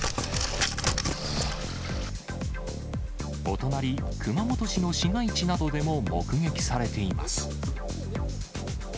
お隣、熊本市の市街地などでも目撃されています。